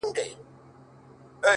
څنگه دي زړه څخه بهر وباسم ـ